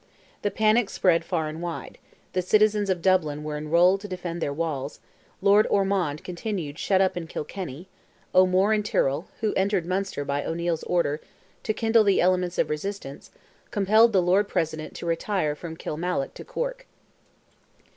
The panic spread far and wide; the citizens of Dublin were enrolled to defend their walls; Lord Ormond continued shut up in Kilkenny; O'Moore and Tyrrell, who entered Munster by O'Neil's order, to kindle the elements of resistance, compelled the Lord President to retire from Kilmallock to Cork.